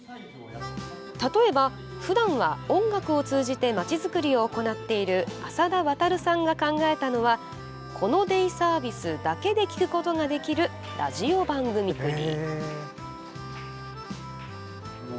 例えば、普段は音楽を通じて町づくりを行っているアサダワタルさんが考えたのはこのデイサービスだけで聴くことができるラジオ番組作り。